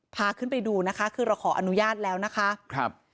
พาขึ้นไปดูนะคะคือเราขออนุญาตแล้วนะคะครับ